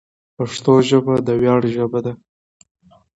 پښتو ژبه د ویاړ ژبه ده.